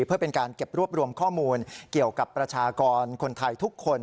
เพื่อเป็นการเก็บรวบรวมข้อมูลเกี่ยวกับประชากรคนไทยทุกคน